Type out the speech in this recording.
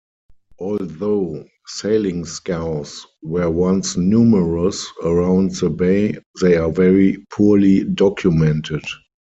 Although sailing scows were once numerous around the Bay, they are very poorly documented.